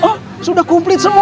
oh sudah komplit semua